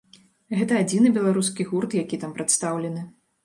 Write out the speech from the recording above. Гэта адзіны беларускі гурт, які там прадстаўлены.